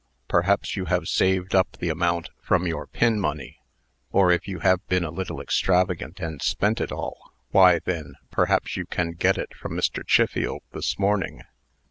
Perhaps you have saved up the amount from your pin money? Or, if you have been a little extravagant, and spent it all, why, then, perhaps you can get it from Mr. Chiffield this morning?"